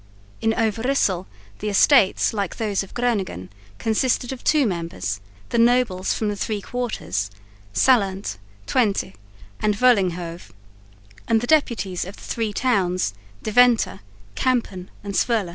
In Overyssel the Estates, like those of Groningen, consisted of two members, the nobles from the three quarters, Sallant, Twente and Vollenhove, and the deputies of the three towns, Deventer, Kampen and Zwolle.